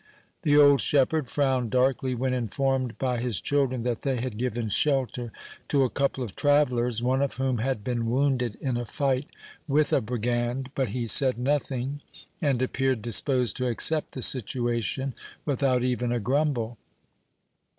The old shepherd frowned darkly when informed by his children that they had given shelter to a couple of travelers, one of whom had been wounded in a fight with a brigand, but he said nothing and appeared disposed to accept the situation without even a grumble.